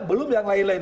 belum yang lain lain